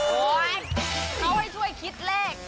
โอ๊ยเขาให้ช่วยคิดเลข